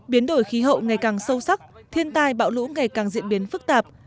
biến đổi khí hậu ngày càng sâu sắc thiên tai bão lũ ngày càng diễn biến phức tạp